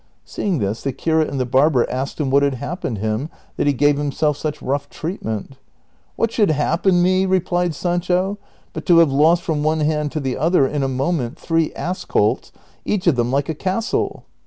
Seeing this, the curate and the barber asked him what had happened him that he gave himself such rough treatment. '^ What should happen me ?" replied Sancho, " biit to have lost from one hand to the other, in a moment, three ass colts, each of them like a castle